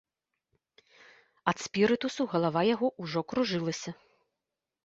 Ад спірытусу галава яго ўжо кружылася.